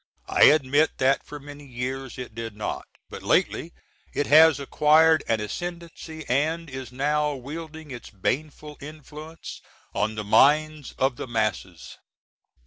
I admit that for many years it did not, but lately it has acquired an ascendency & is now wielding its baneful influence on the minds of the masses.